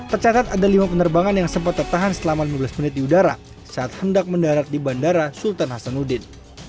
tercatat ada lima penerbangan yang sempat tertahan selama lima belas menit di udara saat hendak mendarat di bandara sultan hasanuddin